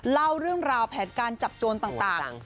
เล่าเรื่องราวแผนการจับโจรต่าง